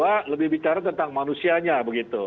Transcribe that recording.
tapi tema kedua lebih bicara tentang manusianya begitu